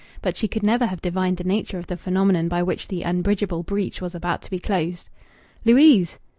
But she could never have divined the nature of the phenomenon by which the unbridgable breach was about to be closed. "Louise!"